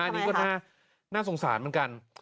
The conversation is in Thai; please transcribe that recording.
อันนี้ก็น่าสงสารเหมือนกัน